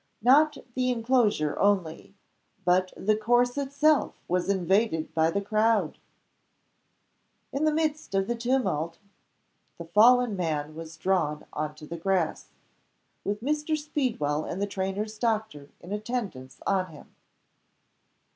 Not the inclosure only, but the course itself was invaded by the crowd. In the midst of the tumult the fallen man was drawn on to the grass with Mr. Speedwell and the trainer's doctor in attendance on him.